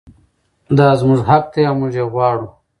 دا زموږ حق دی او موږ یې غواړو.